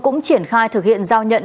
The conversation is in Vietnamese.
cũng triển khai thực hiện giao nhận